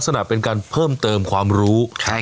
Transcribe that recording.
ครับก็จากงานสับปะเหลอโลกสับปะเหลอโลก